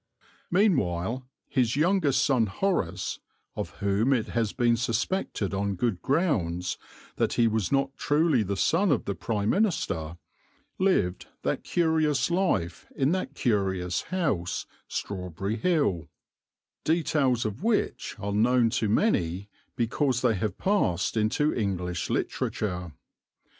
Meanwhile his youngest son Horace, of whom it has been suspected on good grounds that he was not truly the son of the Prime Minister, lived that curious life in that curious house, Strawberry Hill, details of which are known to many because they have passed into English literature.